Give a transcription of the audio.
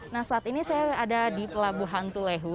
nah saat ini saya ada di pelabuhan tulehu